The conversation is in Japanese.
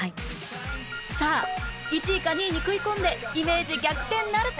さあ１位か２位に食い込んでイメージ逆転なるか？